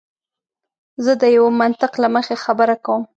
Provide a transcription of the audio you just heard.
زه د یوه منطق له مخې خبره کوم.